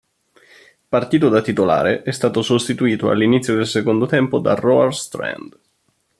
Partito da titolare, è stato sostituito all'inizio del secondo tempo da Roar Strand.